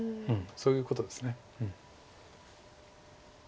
そういうことです。